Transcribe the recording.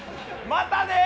またねー！